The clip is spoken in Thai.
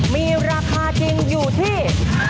มีราคาจริงอยู่ที่